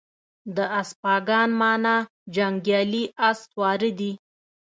د اسپاگان مانا جنگيالي اس سواره دي